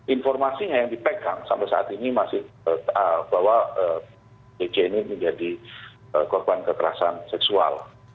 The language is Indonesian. informasinya yang dipegang sampai saat ini masih bahwa dj ini menjadi korban kekerasan seksual